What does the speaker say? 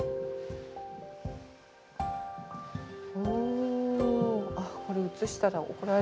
お。